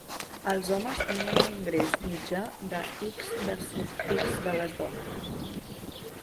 Els homes tenien un ingrés mitjà de X versus X de les dones.